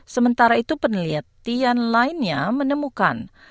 sementara itu penelitian lainnya menemukan